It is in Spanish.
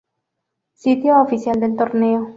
Sitio oficial del Torneo